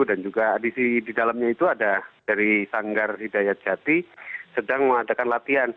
dan juga di dalamnya itu ada dari sanggar hidayah jati sedang mengadakan latihan